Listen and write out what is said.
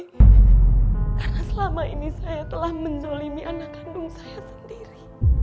karena selama ini saya telah menzolimi anak kandung saya sendiri